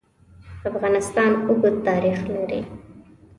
افغانستان اوږد تاریخ لري.